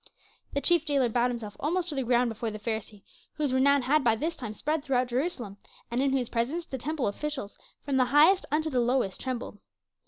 The chief jailer bowed himself almost to the ground before the Pharisee, whose renown had by this time spread throughout Jerusalem, and in whose presence the temple officials from the highest unto the lowest trembled.